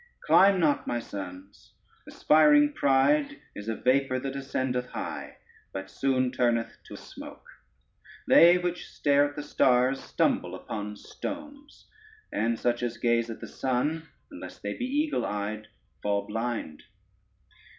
Climb not, my sons: aspiring pride is a vapor that ascendeth high, but soon turneth to smoke; they which stare at the stars stumble upon stones, and such as gaze at the sun (unless they be eagle eyed) fall blind.